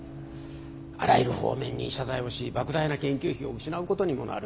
あらゆる方面に謝罪をし莫大な研究費を失うことにもなる。